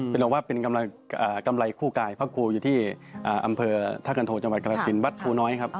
เป็นรวบว่ากำไรคู่กายพระครูอยู่ที่อำเภอทะกันโถจังหวัดกรสินบัตรครูน้อยครับ